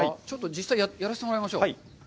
実際やらせてもらいましょう。